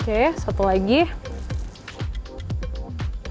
oke lalu selanjutnya kita akan panaskan kompor